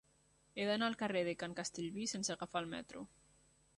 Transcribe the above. He d'anar al carrer de Can Castellví sense agafar el metro.